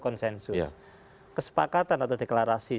konsensus kesepakatan atau deklarasi